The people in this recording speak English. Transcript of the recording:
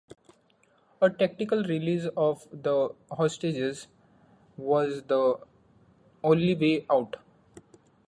A tactical release of the hostages was the only way out.